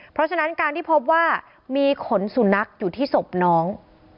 เพราะฉะนั้นการที่พบว่ามีขนสุนัขอยู่ที่ศพน้อง